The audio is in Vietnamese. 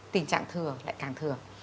tình trạng thừa lại càng thừa